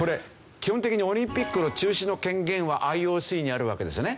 基本的にオリンピックの中止の権限はＩＯＣにあるわけですね。